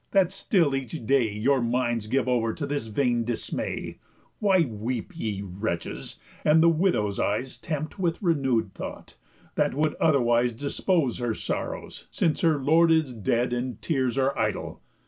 that still each day Your minds give over to this vain dismay, Why weep ye, wretches, and the widow's eyes Tempt with renew'd thought, that would otherwise Depose her sorrows, since her lord is dead, And tears are idle?